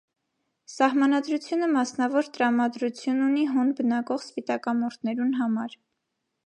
Սահմանադրութիւնը մասնաւոր տրամադրութիւն ունի հոն բնակող սպիտակամորթներուն համար։